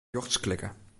Rjochts klikke.